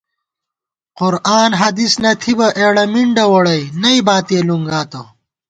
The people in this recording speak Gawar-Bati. قرآن حدیث نہ تھِبہ، اېڑہ مِنڈہ ووڑَئی نئی باتِیہ لُنگاتہ